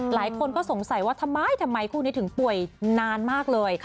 หลายคนก็สงสัยว่าทำไมทำไมคู่นี้ถึงป่วยนานมากเลย